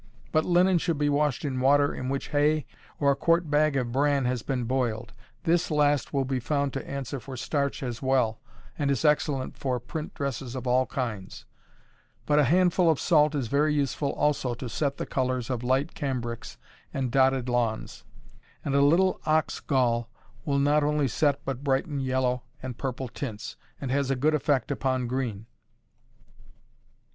But linen should be washed in water in which hay or a quart bag of bran has been boiled. This last will be found to answer for starch as well, and is excellent for print dresses of all kinds, but a handful of salt is very useful also to set the colors of light cambrics and dotted lawns; and a little ox gall will not only set but brighten yellow and purple tints, and has a good effect upon green.